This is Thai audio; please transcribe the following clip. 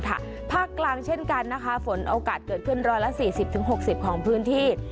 ภาคกลางเช่นกันนะคะฝนโอกาสเกิดขึ้น๑๔๐๖๐ของพื้นที่